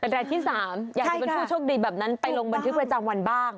รายที่๓อยากจะเป็นผู้โชคดีแบบนั้นไปลงบันทึกประจำวันบ้าง